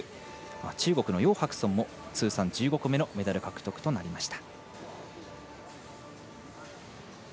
中国の楊博尊も通算１５個目のメダル獲得となりました。